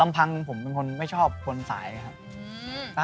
ไม่แคร์ผู้หญิงเขานะ